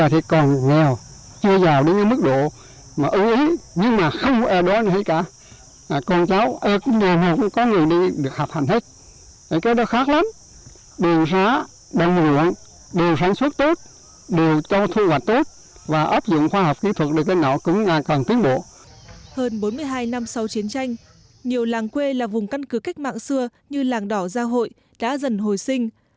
hơn bốn mươi hai năm sau chiến tranh nhiều làng quê là vùng căn cứ cách mạng xưa như làng đỏ gia hội đã dần hồi sinh